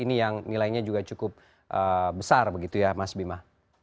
ini yang nilainya juga cukup besar begitu ya mas bima